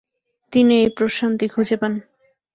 তিনি এই প্রশান্তি খুঁজে পান।